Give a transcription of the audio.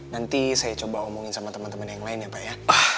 nanti saya coba omongin sama teman teman yang lain ya pak ya